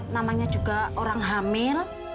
namanya juga orang hamil